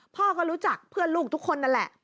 พ่อก็รู้จักเพื่อนลูกทุกคนนั่นแหละ